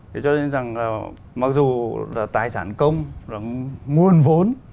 thế cho nên rằng là mặc dù là tài sản công nguồn vốn